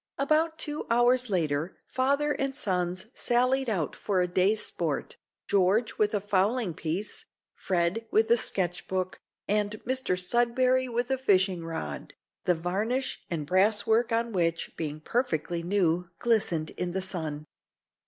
About two hours later, father and sons sallied out for a day's sport, George with a fowling piece, Fred with a sketch book, and Mr Sudberry with a fishing rod, the varnish and brass work on which, being perfectly new, glistened in the sun.